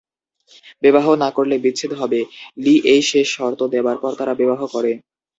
বিবাহ না করলে "বিচ্ছেদ" হবে, লি এই শেষ শর্ত দেবার পর তারা বিবাহ করে।